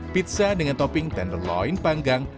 pizza dengan topping tenderloin panggang